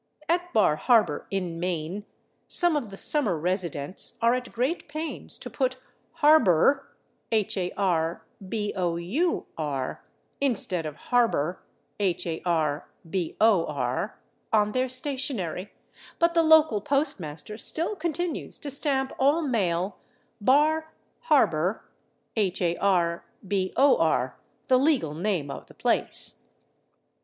At Bar Harbor, in Maine, some of the summer residents are at great pains to put /harbour/ instead of /harbor/ on their stationery, but the local postmaster still continues to stamp all mail /Bar Harbor/, the legal name of the place.